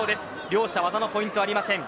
両者技のポイントはありません。